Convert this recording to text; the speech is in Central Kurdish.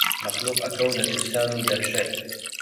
مەخلووق ئەکەونە ترسان و دەهشەت